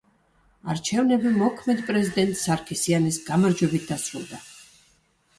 არჩევნები მოქმედ პრეზიდენტ სარქისიანის გამარჯვებით დასრულდა.